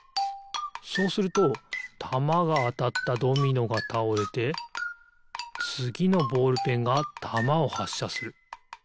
そうするとたまがあたったドミノがたおれてつぎのボールペンがたまをはっしゃする。